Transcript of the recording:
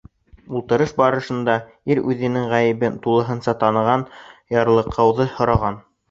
Ултырыш барышында ир үҙенең ғәйебен тулыһынса таныған, ярлыҡауҙы һораған.